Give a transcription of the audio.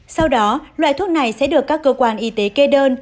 sau đó loại thuốc này sẽ được các cơ quan y tế kê đơn